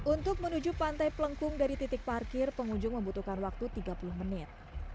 untuk menuju pantai pelengkung dari titik parkir pengunjung membutuhkan waktu tiga puluh menit